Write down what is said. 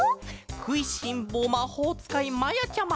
「くいしんぼうまほうつかいまやちゃま」